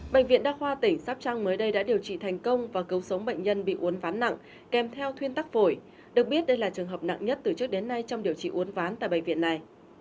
bệnh viện đa khoa tỉnh sóc trăng mới đây đã điều trị thành công và cứu sống bệnh nhân bị uốn ván nặng kèm theo thuyên tắc phổi được biết đây là trường hợp nặng nhất từ trước đến nay trong điều trị uốn ván tại bệnh viện này